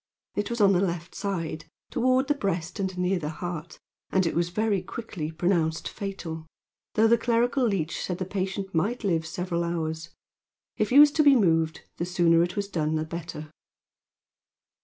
It was in the left side, toward the breast and near the heart, and it was very quickly pronounced fatal, though the clerical leech said the patient might live several hours. If he was to be moved, the sooner it was done the better.